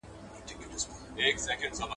• د ډېري اغزى، د يوه غوزى.